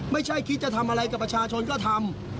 ไม่ใช่คิดจะทำอะไรกับประชาชนก็ทำ